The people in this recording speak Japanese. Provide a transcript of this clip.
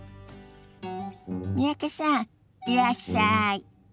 三宅さんいらっしゃい。